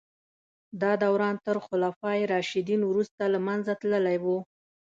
دا دوران تر خلفای راشدین وروسته له منځه تللی و.